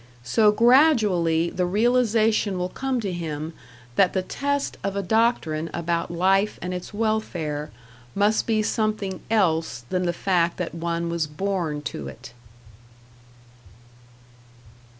So gradually the realization will come to him that the test of a doctrine about life and its welfare must be something else than the fact that one was born to it.